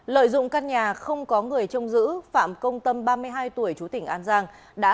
lợi dụng căn nhà không có người trông giữ phạm công tâm ba mươi hai tuổi chú tỉnh an giang đã